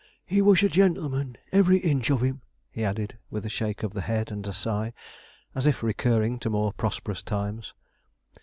'He was a gentleman, every inch of him,' he added, with a shake of the head and a sigh, as if recurring to more prosperous times.